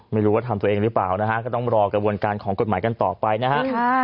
ไม่รู้ว่าทำตัวเองหรือเปล่านะฮะก็ต้องรอกระบวนการของกฎหมายกันต่อไปนะฮะ